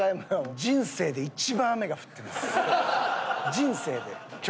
人生で。